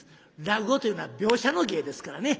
落語というのは描写の芸ですからね。